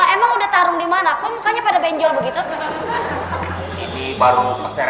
emang udah taruh dimana kok makanya pada benjol begitu ini baru